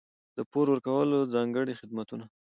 د پور ورکولو ځانګړي خدمتونه.